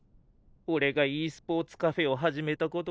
俺がｅスポーツカフェを始めた事かな。